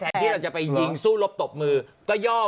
ที่เราจะไปยิงสู้รบตบมือก็ย่อ